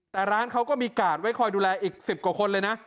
แต่ร้านเขาก็มีกาดไว้คอยดูแลอีก๑๐กว่าคนเลยนะ